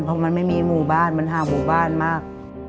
เพราะมันไม่มีหมู่บ้านมันห่างหมู่บ้านมาก